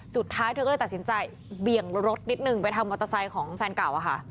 เธอก็เลยตัดสินใจเบี่ยงรถนิดนึงไปทางมอเตอร์ไซค์ของแฟนเก่าอะค่ะ